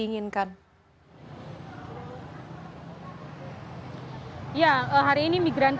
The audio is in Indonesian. pemerintah herbs ini berjalan saudis syarikat